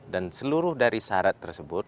dan seluruh dari syarat tersebut